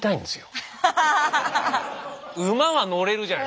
馬は乗れるじゃないですか。